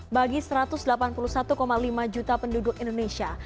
bagi satu ratus delapan puluh satu lima juta penduduk indonesia